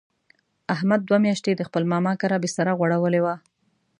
احمد دوه میاشتې د خپل ماما کره بستره غوړولې وه.